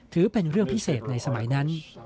ถือเป็นเรื่องพิเศษในสมัยนั้น